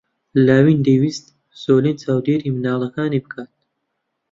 لاوین دەیویست سۆلین چاودێریی منداڵەکانی بکات.